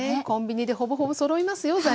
コンビニでほぼほぼそろいますよ